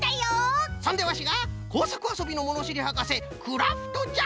そんでワシがこうさくあそびのものしりはかせクラフトじゃ。